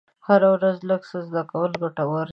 هره ورځ لږ څه زده کول ګټور دي.